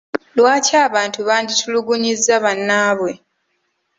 Lwaki abantu banditulugunyizza bannaabwe?